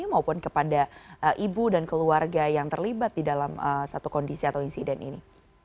maupun kepada ibu dan keluarga yang terlibat di dalam satu kondisi atau insiden ini